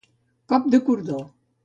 Cop de cordó.